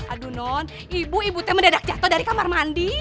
aduh non ibu ibutnya mendedak jatuh dari kamar mandi